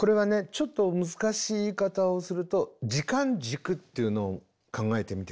ちょっと難しい言い方をすると時間軸っていうのを考えてみて下さい。